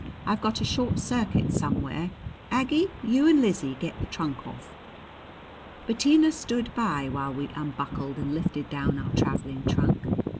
I've got a short circuit somewhere. Aggie, you and Lizzie get the trunk off." Bettina stood by while we unbuckled and lifted down our traveling trunk.